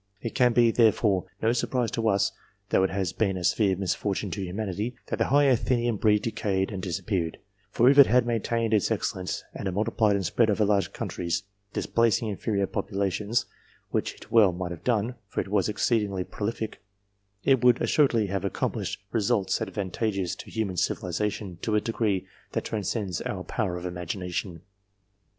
It can be, there fore, no surprise to us, though it has been a severe ^/ misfortune to humanity, that the high Athenian breed decayed and disappeared ; for if it had maintained its excellence, and had multiplied and spread over large countries, displacing inferior populations (which it well might have done, for it was naturally very prolific), it would assuredly have accomplished results advantageous to human civilization, to a degree that transcends our powers of imagination.